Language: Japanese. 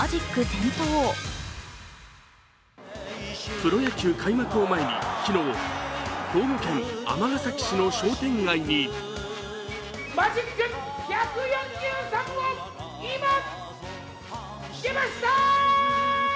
プロ野球開幕を前に、昨日、兵庫県尼崎市の商店街にマジック１４３を、今つけました！